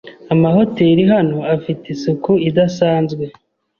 Amahoteri hano afite isuku idasanzwe.